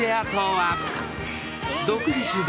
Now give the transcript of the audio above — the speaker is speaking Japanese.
［独自取材。